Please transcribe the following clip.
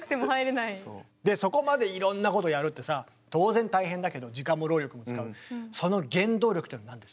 そこまでいろんなことやるってさ当然大変だけど時間も労力も使うその原動力っていうのは何ですか？